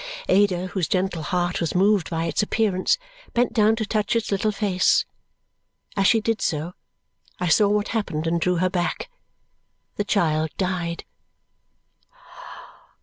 Ada, whose gentle heart was moved by its appearance, bent down to touch its little face. As she did so, I saw what happened and drew her back. The child died.